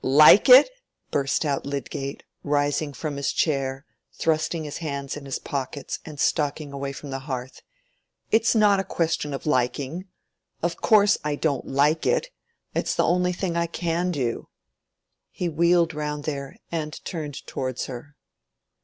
"Like it?" burst out Lydgate, rising from his chair, thrusting his hands in his pockets and stalking away from the hearth; "it's not a question of liking. Of course, I don't like it; it's the only thing I can do." He wheeled round there, and turned towards her.